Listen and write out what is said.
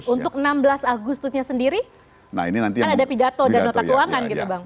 untuk enam belas agustusnya sendiri kan ada pidato dan nota keuangan gitu bang